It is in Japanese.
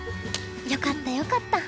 よかったよかった！